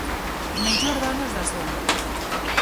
Mellor dános das outras.